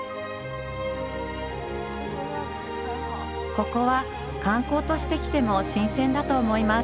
ここは観光として来ても新鮮だと思います。